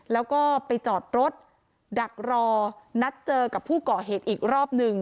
แล้วก็ไปจอดรถดักรอนัดเจอกับผู้ก่อเหตุอีกรอบหนึ่ง